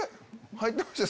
入ってました？